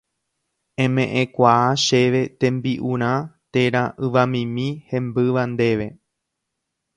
eme'ẽkuaa chéve tembi'urã térã yvamimi hembýva ndéve